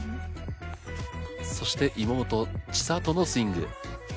そして妹・千怜のスイング。